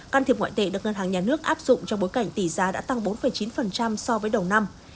can thiệp ngoại tệ được ngân hàng nhà nước áp dụng trong bối cảnh tỷ giá đã tăng bốn chín so với đầu năm